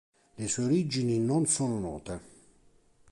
Le sue origini non sono note.